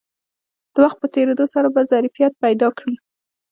د وخت په تېرېدو سره به ظرفیت پیدا کړي